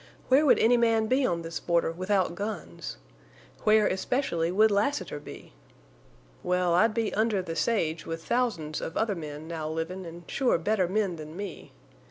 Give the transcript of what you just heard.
Where would any man be on this border without guns? Where, especially, would Lassiter be? Well, I'd be under the sage with thousands of other men now livin' an' sure better men than me.